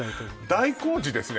大工事ですね